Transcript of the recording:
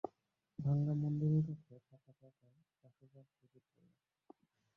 ভাঙা মন্দিরের কাছে ফাঁকা জায়গায় শাসুজার শিবির পড়িয়াছে।